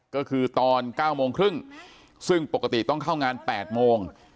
ก็คือตอน๙โมงครึ่งซึ่งปกติต้องเข้างาน๘โมง